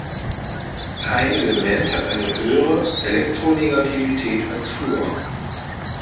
Kein Element hat eine höhere Elektronegativität als Fluor.